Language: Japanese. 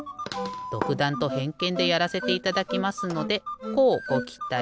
どくだんとへんけんでやらせていただきますのでこうごきたい。